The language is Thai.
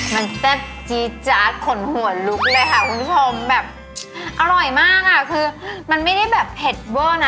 มันแซ่บจี๊ดจ๊าดขนหัวลุกเลยค่ะคุณผู้ชมแบบอร่อยมากอ่ะคือมันไม่ได้แบบเผ็ดเวอร์นะ